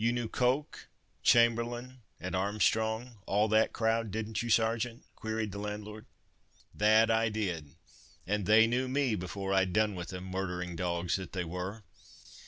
"You knew Coke, Chamberlain, and Armstrong, all that crowd—didn't you, Sergeant?" queried the landlord. "That did I—and they knew me before I'd done with them, murdering dogs that they were!